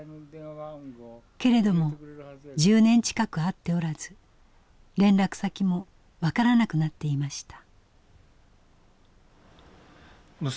けれども１０年近く会っておらず連絡先も分からなくなっていました。